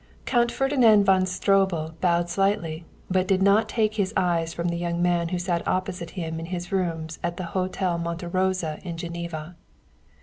Count Ferdinand von Stroebel bowed slightly, but did not take his eyes from the young man who sat opposite him in his rooms at the Hotel Monte Rosa in Geneva.